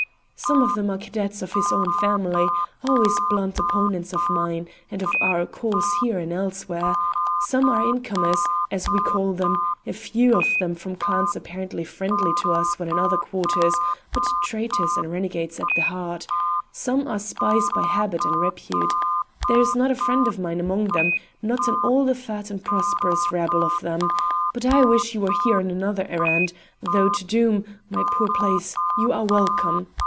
Some of them are cadets of his own family, always blunt opponents of mine and of our cause here and elsewhere; some are incomers, as we call them; a few of them from clans apparently friendly to us when in other quarters, but traitors and renegades at the heart; some are spies by habit and repute. There's not a friend of mine among them, not in all the fat and prosperous rabble of them; but I wish you were here on another errand, though to Doom, my poor place, you are welcome.